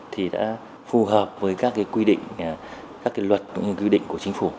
thì đã phù hợp với các quy định các luật các quy định của chính phủ